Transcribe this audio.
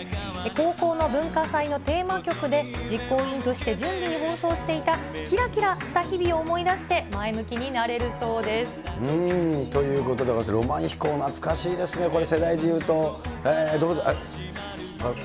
高校の文化祭のテーマ曲で、実行委員として準備に奔走していたきらきらした日々を思い出してということでございまして、浪漫飛行、懐かしいですね、世代で言うと、誰だ？